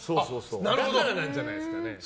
だからなんじゃないですかね。